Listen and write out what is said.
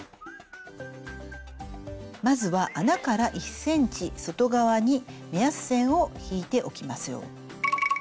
まずは穴から１ｃｍ外側に目安線を引いておきましょう。